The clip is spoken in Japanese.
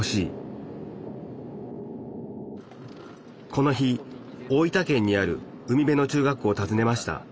この日大分県にある海辺の中学校をたずねました。